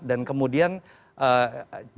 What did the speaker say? dan kemudian jangan kemudian dianggap